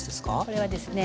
これはですね